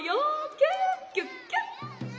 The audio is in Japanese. キュキュッキュッ」。